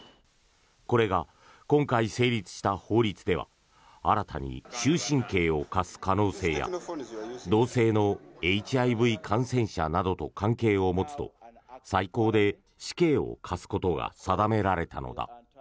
これが、今回成立した法律では新たに終身刑を科す可能性や同性のＨＩＶ感染者などと関係を持つと最高で死刑を科すことが定められたのだ。